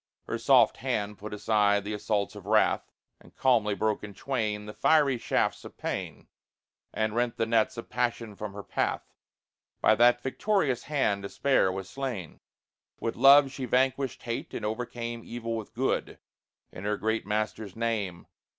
Her soft hand put aside the assaults of wrath, And calmly broke in twain The fiery shafts of pain, And rent the nets of passion from her path. By that victorious hand despair was slain. With love she vanquished hate and overcame Evil with good, in her Great Master's name.